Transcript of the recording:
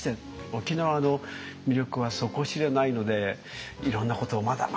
沖縄の魅力は底知れないのでいろんなことをまだまだ知りたい。